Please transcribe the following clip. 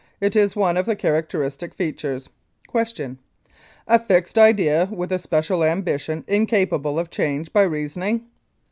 It is one of the characteristic features. Q. A fixed idea with a special ambition incapable of change by reasoning?